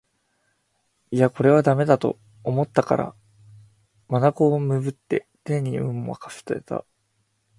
いやこれは駄目だと思ったから眼をねぶって運を天に任せていた